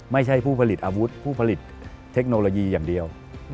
ไม่ใช่ผู้ผลิตอาวุธผู้ผลิตเทคโนโลยีอย่างเดียว